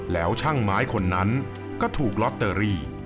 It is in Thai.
แล้วช่างไม้คนนั้นก็ถูกลอตเตอรี่